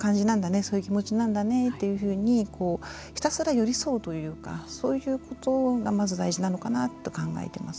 そういう気持ちなんだねというふうにひたすら寄り添うというかそういうことがまず大事なのかなと考えています。